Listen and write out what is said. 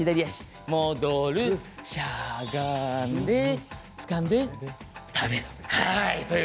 しゃがんでつかんで食べる。